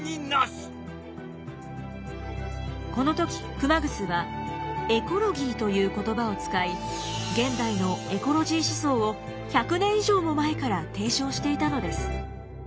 この時熊楠は「エコロギー」という言葉を使い現代のエコロジー思想を１００年以上も前から提唱していたのです。